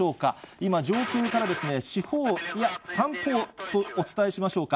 今、上空から四方、いや、三方とお伝えしましょうか。